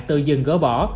tự dừng gỡ bỏ